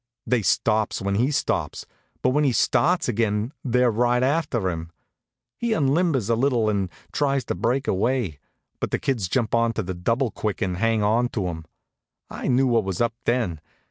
They stops when he stops, but when he starts again they're right after him. He unlimbers a little and tries to break away, but the kids jump into the double quick and hang to him. I knew what was up then.